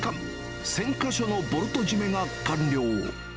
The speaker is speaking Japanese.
１０００か所のボルト締めが完了。